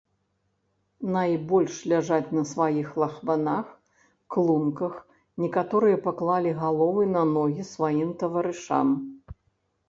Найбольш ляжаць на сваіх лахманах, клунках, некаторыя паклалі галовы на ногі сваім таварышам.